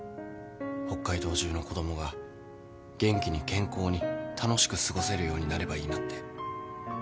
北海道中の子供が元気に健康に楽しく過ごせるようになればいいなって。